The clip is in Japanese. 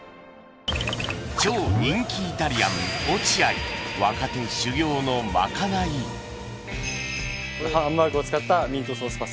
超人気イタリアン・オチアイ若手修行のまかないハンバーグを使ったミートソースパスタ。